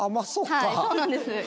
はいそうなんです。